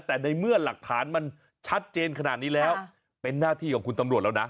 แต่ในเมื่อหลักฐานมันชัดเจนขนาดนี้แล้วเป็นหน้าที่ของคุณตำรวจแล้วนะ